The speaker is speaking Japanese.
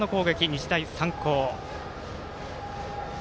日大三高。